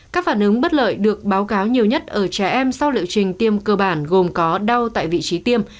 các phản ứng bất lợi được báo cáo nhiều nhất ở trẻ em sau liệu trình tiêm cơ bản gồm có đau tại vị trí tiêm